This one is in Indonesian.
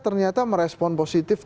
ternyata merespon positif